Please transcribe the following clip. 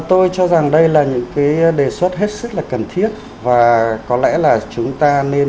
tôi cho rằng đây là những cái đề xuất hết sức là cần thiết